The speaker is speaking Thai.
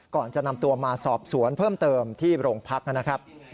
ก่อนจะนำตัวมาสอบสวนเพิ่มเติมที่โรงพักนะครับ